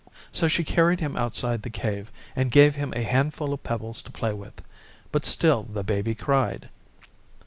So she carried him outside the Cave and gave him a handful of pebbles to play with. But still the Baby cried.